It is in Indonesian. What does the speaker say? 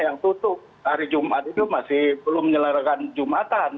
yang tutup hari jumat itu masih belum menyelarkan jumatan